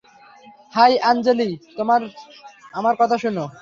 High, Anjali আমার কথা শুনো।